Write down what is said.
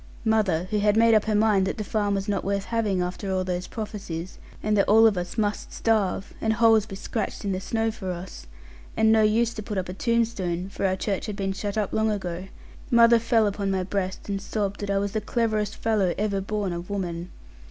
Mother, who had made up her mind that the farm was not worth having after all those prophesies, and that all of us must starve, and holes be scratched in the snow for us, and no use to put up a tombstone (for our church had been shut up long ago) mother fell upon my breast, and sobbed that I was the cleverest fellow ever born of woman.